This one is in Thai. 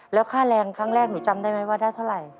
แล้วค่าแรงครั้งแรกหนูจำได้ไหมว่าได้เท่าไหร่